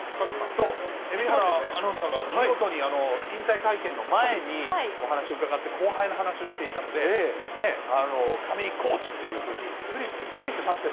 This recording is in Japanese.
そう、アナウンサーが見事に引退会見の前にお話を伺って、後輩の話をしていたので、ねえ、フリップに書いてましたね。